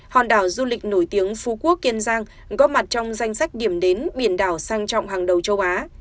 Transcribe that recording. hòn đảo du lịch nổi tiếng phú quốc kiên giang góp mặt trong danh sách điểm đến biển đảo sang trọng hàng đầu châu á